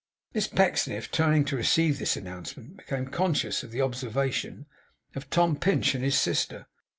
Miss Pecksniff, turning to receive this announcement, became conscious of the observation of Tom Pinch and his sister.